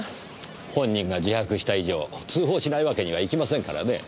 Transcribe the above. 本人が自白した以上通報しないわけにはいきませんからね。